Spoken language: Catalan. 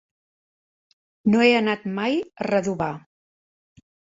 No he anat mai a Redovà.